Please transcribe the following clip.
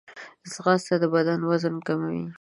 ځغاسته د بدن وزن کموي